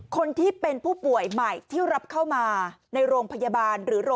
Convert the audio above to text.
คนที่เป็นผู้ป่วยใหม่ที่รับเข้ามาในโรงพยาบาลหรือ